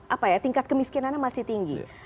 apa ya tingkat kemiskinannya masih tinggi